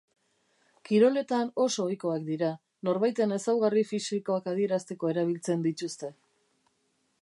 Kiroletan oso ohikoak dira, norbaiten ezaugarri fisikoak adierazteko erabiltzen dituzte.